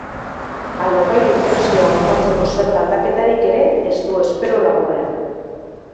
Alokairu prezioa mugatzeko zerga aldaketarik ere ez du espero laburrean.